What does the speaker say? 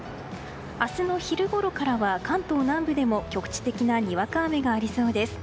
明日の昼ごろからは関東南部でも局地的なにわか雨がありそうです。